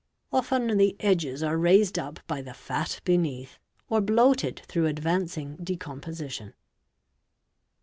Often the edges are raised up by the fat beneath — or bloated through advancing decomposition.